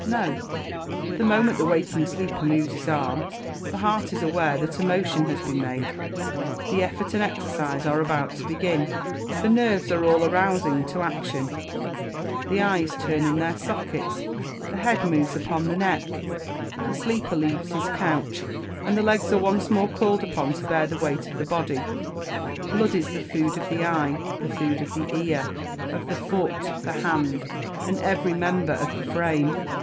No! The moment the waking sleeper moves his arm, the heart is aware that a motion has been made, that effort and exercise are about to begin. The nerves are all arousing to action; the eyes turn in their sockets, the head moves upon the neck; the sleeper leaves his couch, and the legs are once more called upon to bear the weight of the body. Blood is the food of the eye, the food of the ear, of the foot, the hand, and every member of the frame.